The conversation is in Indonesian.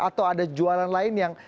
atau ada jualan lain yang